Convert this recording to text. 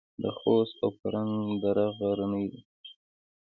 د خوست او فرنګ دره غرنۍ ده